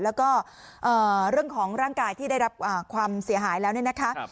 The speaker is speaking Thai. แล้วก็เรื่องของร่างกายที่ได้รับความเสียหายแล้วเนี่ยนะคะ